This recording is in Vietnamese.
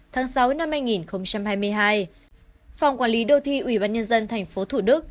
tháng sáu năm hai nghìn hai mươi hai phòng quản lý đô thị ủy ban nhân dân tp thủ đức